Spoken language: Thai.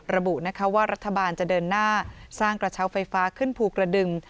ระบุนะคะว่ารัฐบาลจะเดินหน้าสร้างกระเช้าไฟฟ้าขึ้นภูกระดึง